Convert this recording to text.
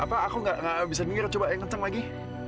apa aku nggak bisa denger coba yang kenceng lagi